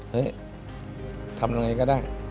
เฮ้ยทำอย่างไรก็ได้